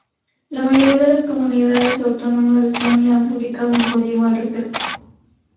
La mayoría de las comunidades autónomas de España han publicado un código al respecto.